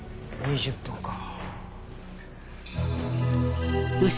２０分か。